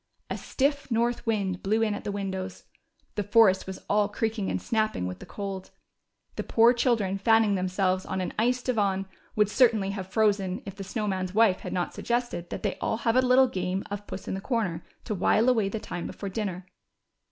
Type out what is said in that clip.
A stiff north wind blew in at the windows. The forest Avas all creaking and snapping Avith the cold. The poor children, fanning themselves, on an ice divan, Avould certainly have frozen if the SnoAv Man's Avife had not suggested that they all have a little game of j)uss in the corner " to Avhile aAvay the time before dinner.